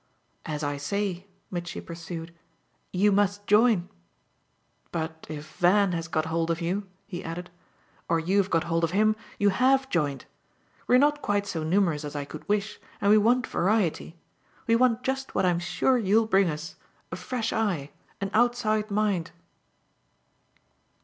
As I say," Mitchy pursued, "you must join. But if Van has got hold of you," he added, "or you've got hold of him, you HAVE joined. We're not quite so numerous as I could wish, and we want variety; we want just what I'm sure you'll bring us a fresh eye, an outside mind."